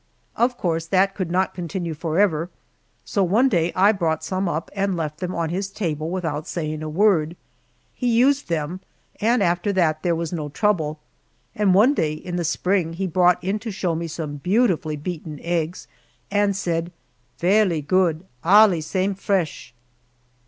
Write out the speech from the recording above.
Of course that could not continue forever, so one day I brought some up and left them on his table without saying a word. He used them, and after that there was no trouble, and one day in the spring he brought in to show me some beautifully beaten eggs, and said, "Velly glood allee same flesh."